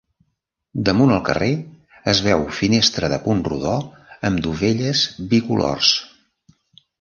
Damunt el carrer es veu finestra de punt rodó amb dovelles bicolors.